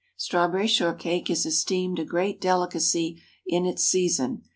Strawberry shortcake is esteemed a great delicacy in its season.